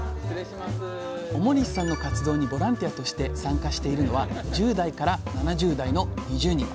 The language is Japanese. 表西さんの活動にボランティアとして参加しているのは１０代から７０代の２０人。